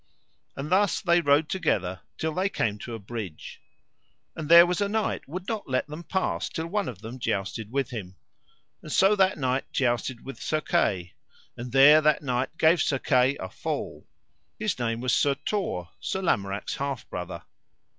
And thus they rode together till they came to a bridge. And there was a knight would not let them pass till one of them jousted with him; and so that knight jousted with Sir Kay, and there that knight gave Sir Kay a fall: his name was Sir Tor, Sir Lamorak's half brother.